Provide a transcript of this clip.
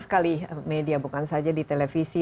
sekali media bukan saja di televisi